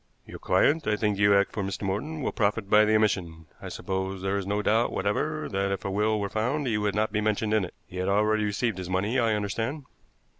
"Your client I think you act for Mr. Morton will profit by the omission. I suppose there is no doubt whatever that, if a will were found, he would not be mentioned in it. He had already received his money, I understand."